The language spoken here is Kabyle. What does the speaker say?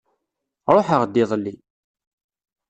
Ṛuḥeɣ-d iḍelli.